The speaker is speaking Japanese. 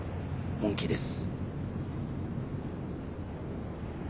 本気です。